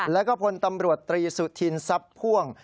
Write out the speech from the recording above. แล้วก็พลตำรวจตรีสุธินทรัพย์พ่วง